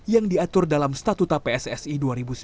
yang diatur dalam statuta pssi dua ribu sembilan belas